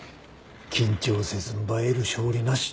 緊張せずんば得る勝利なし。